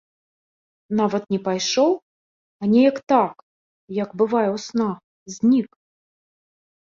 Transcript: Нават не пайшоў, а неяк так, як бывае ў снах, знік.